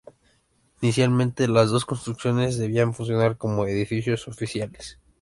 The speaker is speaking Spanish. Inicialmente, las dos construcciones debían funcionar como edificios oficiales.